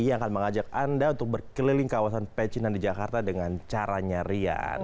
yang akan mengajak anda untuk berkeliling kawasan pecinan di jakarta dengan cara nyarian